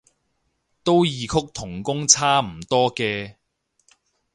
都異曲同工差唔多嘅